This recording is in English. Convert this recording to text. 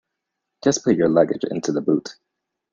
Just put your luggage into the boot